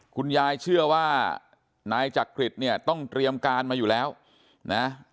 เชื่อว่านายจักริตเนี่ยต้องเตรียมการมาอยู่แล้วนะ